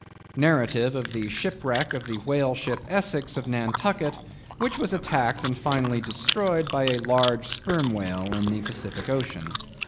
—"_Narrative of the Shipwreck of the Whale Ship Essex of Nantucket, which was attacked and finally destroyed by a large Sperm Whale in the Pacific Ocean_."